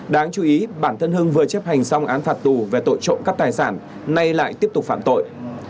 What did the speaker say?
đáng chú ý bản thân hưng vừa chấp hành xong án phạt tù về tội trộn cấp tài sản nay lại tiếp tục phản tội